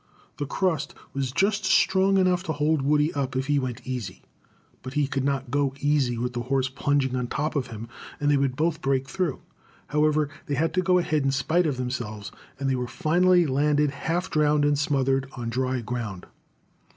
The crust was just strong enough to hold Woody up if he went "easy," but he could not go easy with the horse plunging on top of him, and they would both break through. However, they had to go ahead in spite of themselves, and they were finally landed half drowned and smothered on dry ground.